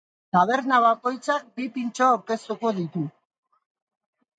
Taberna bakoitzak bi pintxo aurkeztuko ditu.